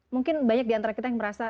mungkin banyak diantara kita yang merasa